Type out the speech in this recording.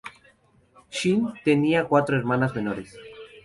Shin tenía cuatro hermanas menores.